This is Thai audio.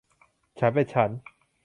ฉันเป็นฉัน